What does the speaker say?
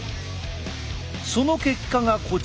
その結果がこちら。